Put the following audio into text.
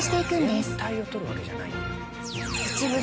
全体をとるわけじゃないんだ。